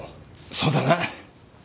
そうだな。